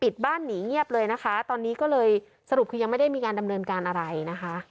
ปิดบ้านหนีเงียบเลยนะคะตอนนี้ก็เลยสรุปคือยังไม่ได้มีการดำเนินการอะไรนะคะ